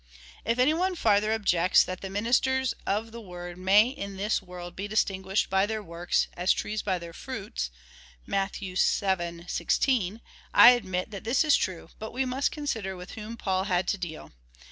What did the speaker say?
If any one farther objects, that the ministers of the word may in this world be distinguished by their works, as trees by their fruits, (Matt. vii. 16,) I admit that this is true, but we must consider with whom Paul had to deal.